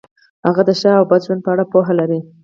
هغه د ښه او بد ژوند په اړه پوهه لري.